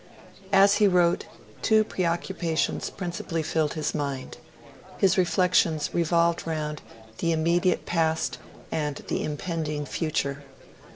As he wrote, two preoccupations principally filled his mind. His reflections revolved around the immediate past and the impending future.